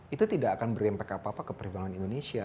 itu tidak akan berimpek apa apa ke perhimpunan indonesia